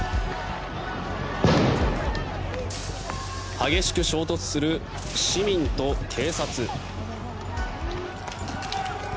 激しく衝突する市民と警察。